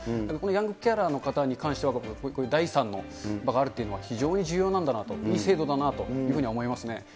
ヤングケアラーの方に関しては、第３の場があるというのは非常に重要なんだなと、いい制度だなと思いますね。